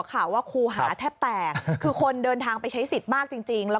ข่าวว่าครูหาแทบแตกคือคนเดินทางไปใช้สิทธิ์มากจริงจริงแล้ว